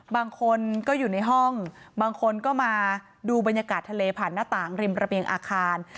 บางคนก็อยู่ในห้องบางคนก็มาดูบรรยากาศทะเลผ่านหน้าต่างริมระเบียงอาคาร